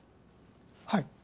はい。